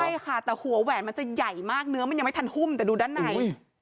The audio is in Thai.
ใช่ค่ะแต่หัวแหวนมันจะใหญ่มากเนื้อมันยังไม่ทันหุ้มแต่ดูด้านใน